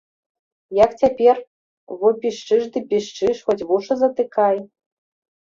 Як цяпер во пішчыш ды пішчыш, хоць вушы затыкай.